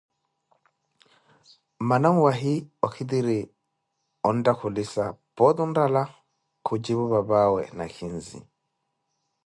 Mmana nwahi okhitire onttakhulisa, pooti onrala, khucipu apapazawe nakhinzi.